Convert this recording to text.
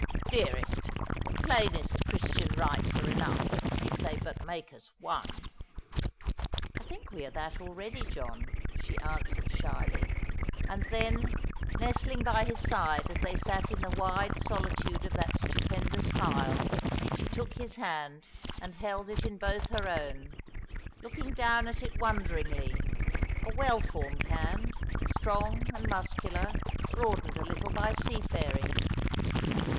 " Dearest, the plainest Christian rites are enough, if they but make us one." " I think we are that already, John," she answered shyly ; and then, nestling by his side as they sat in the wide solitude of that stupendous pile, she took his hand and held it in both her own, looking down at it wonderingly — a well formed hand, strong and muscular, broadened a little by seafaring.